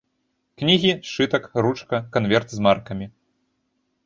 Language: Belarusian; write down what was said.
Кнігі, сшытак, ручка, канверт з маркамі.